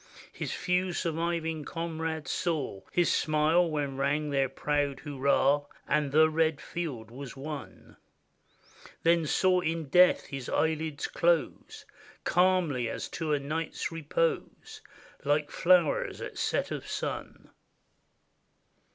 His few surviving comrades saw His smile when rang their proud hurrah, And the red field was won ; Then saw in death his eyelids close Calmly, as to a night's repose. Like flowers at set of sun.